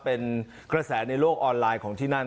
เป็นกระแสในโลกออนไลน์ของที่นั่น